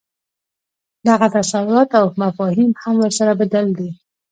دغه تصورات او مفاهیم هم ورسره بدل دي.